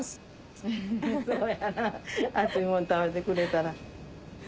そうやな熱いもん食べてくれたら。